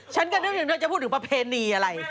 ฉันก็นึกถึงเธอจะพูดถึงประเพณีอะไร